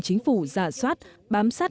chính phủ giả soát bám sát